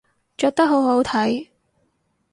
着得好好睇